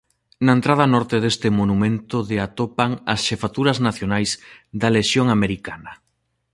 Na entrada norte deste monumento de atopan as xefaturas nacionais da Lexión Americana.